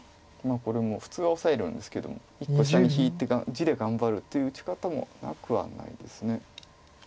これも普通はオサえるんですけども１個下に引いて地で頑張るという打ち方もなくはないです。